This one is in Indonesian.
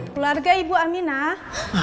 keluarga ibu aminah